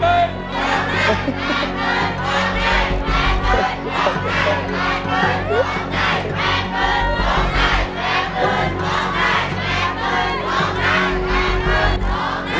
ร้องได้๘๐๐๐๐บาท